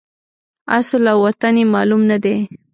اصل او وطن یې معلوم نه دی.